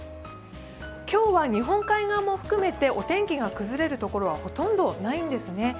今日は日本海側も含めてお天気が崩れる所はほとんどないんです。